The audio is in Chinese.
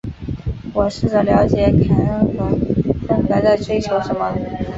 我试着了解凯恩和芬格在追求什么。